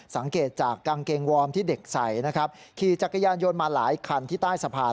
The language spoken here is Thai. สังเกตจากกางเกงวอร์มที่เด็กใส่นะครับขี่จักรยานยนต์มาหลายคันที่ใต้สะพาน